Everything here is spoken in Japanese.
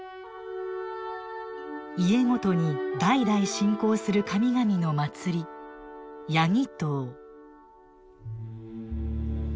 家ごとに代々信仰する神々の祭り「家祈祷」。